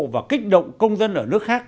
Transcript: và kích động công dân ở nước khác